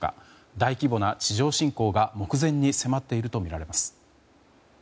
大規模な地上侵攻が目前に迫っているとみられます。